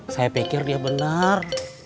saya pikir dia benar